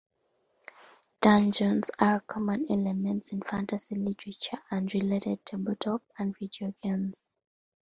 Dungeons are common elements in fantasy literature, and related tabletop and video games.